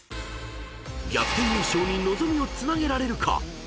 ［逆転優勝に望みをつなげられるか？